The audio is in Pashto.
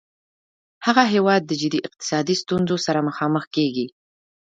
هغه هیواد د جدي اقتصادي ستونځو سره مخامخ کیږي